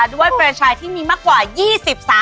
ด้วยเฟรนชายที่มีมากกว่า๒๐สาขา